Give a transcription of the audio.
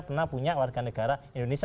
pernah punya warganegara indonesia